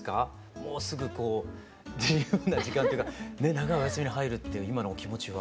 もうすぐこう自由な時間っていうか長いお休みに入るっていう今の気持ちは。